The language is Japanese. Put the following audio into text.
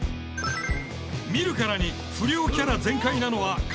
見るからに不良キャラ全開なのは片居誠。